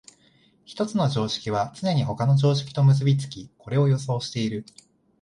一つの常識はつねに他の常識と結び付き、これを予想している。